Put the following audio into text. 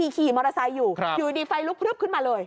ขี่มอเตอร์ไซค์อยู่อยู่ดีไฟลุกพลึบขึ้นมาเลย